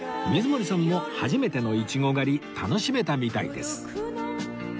水森さんも初めてのイチゴ狩り楽しめたみたいです